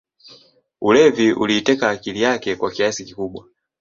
Ulevi uliiteka akili yake kwa kiasi kikubwa